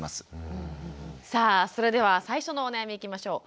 さあそれでは最初のお悩みいきましょう。